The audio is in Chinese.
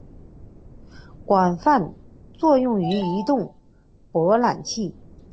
广泛作用于移动浏览器。